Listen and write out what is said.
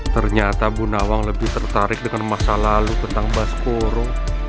ternyata bu nawang lebih tertarik dengan masa lalu tentang baskoro